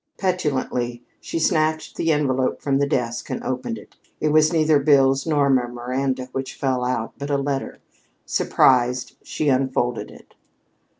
Petulantly she snatched the envelope from the desk and opened it. It was neither bills nor memoranda which fell out, but a letter. Surprised, she unfolded it.